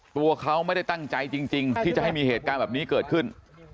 ตัวเขาไม่ได้ตั้งใจจริงที่จะให้มีเหตุการณ์แบบนี้เกิดขึ้น